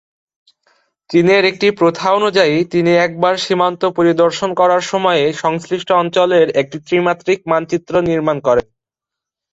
চীনের একটি প্রথা অনুযায়ী তিনি একবার সীমান্ত পরিদর্শন করার সময়ে সংশ্লিষ্ট অঞ্চলের একটি ত্রিমাত্রিক মানচিত্র নির্মাণ করেন।